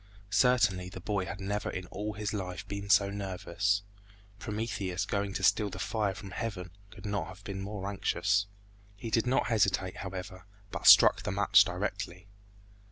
Certainly the boy had never in all his life been so nervous. Prometheus going to steal the fire from heaven could not have been more anxious. He did not hesitate, however, but struck the match directly.